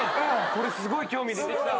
すごい興味出てきた。